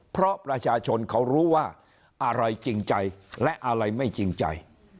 เพราะประชาชนเขารู้ว่าอะไรจริงใจและอะไรไม่จริงใจ